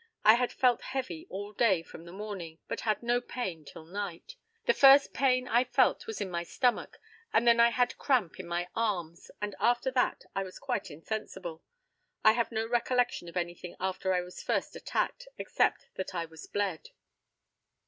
I had felt heavy all day from the morning, but had no pain till night. The first pain I felt was in my stomach, and then I had cramp in my arms, and after that I was quite insensible. I have no recollection of anything after I was first attacked, except that I was bled.